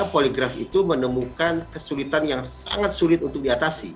poligraf itu menemukan kesulitan yang sangat sulit untuk diatasi